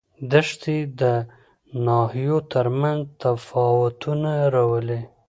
دښتې د ناحیو ترمنځ تفاوتونه راولي.